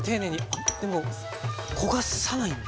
あっでも焦がさないんですね。